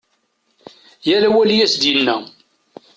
Yal awal i as-d-yenna.